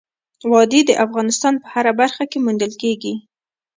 وادي د افغانستان په هره برخه کې موندل کېږي.